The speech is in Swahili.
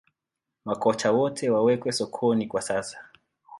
Makocha wote wawekwe sokoni kwa sasa